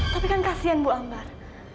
tapi kan kasian bu ambar